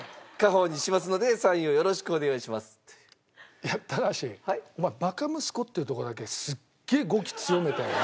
いや高橋お前「バカ息子」ってとこだけすっげえ語気強めたよね？